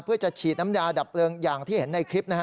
เพื่อจะฉีดน้ำยาดับเพลิงอย่างที่เห็นในคลิปนะฮะ